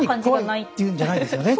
単に怖いっていうんじゃないですよね。